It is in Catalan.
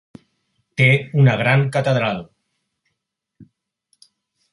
Té una gran catedral.